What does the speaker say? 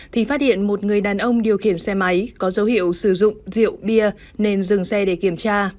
thì phát hiện một người đàn ông điều khiển xe máy có dấu hiệu sử dụng rượu bia nên dừng xe để kiểm tra